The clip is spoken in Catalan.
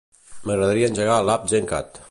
M'agradaria engegar l'app Gencat.